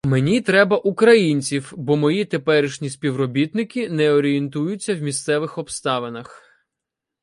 Мені треба українців, бо мої теперішні співробітники не орієнтуються в місцевих обставинах.